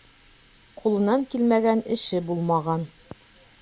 Ҡулынан килмәгән эше булмаған.